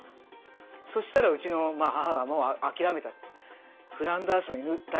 そしたらうちの母がもう諦めたって。